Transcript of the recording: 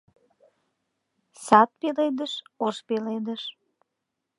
Сад пеледыш — ош пеледыш